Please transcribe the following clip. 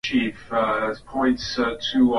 Heri kuwa huuru kuliko kufungwa